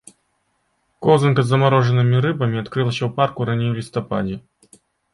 Коўзанка з замарожанымі рыбамі адкрылася ў парку раней у лістападзе.